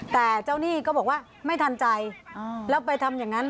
แต่เจ้าหนี้ก็บอกว่าไม่ทันใจแล้วไปทำอย่างนั้น